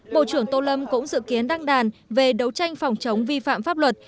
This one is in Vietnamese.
bộ trưởng tô lâm cũng dự kiến đăng đàn về đấu tranh phòng chống vi phạm pháp luật